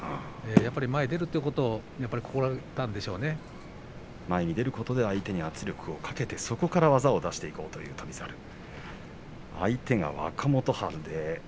前へ出るということを前に出ることで相手に圧力をかけて、そこから技を出していこうという翔猿相手が若元春です。